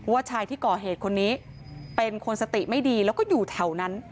ชายที่ก่อเหตุคนนี้เป็นคนสติไม่ดีแล้วก็อยู่แถวนั้น